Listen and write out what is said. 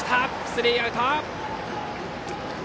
スリーアウト。